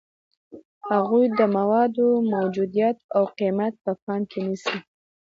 هغوی د موادو موجودیت او قیمت په پام کې نیسي.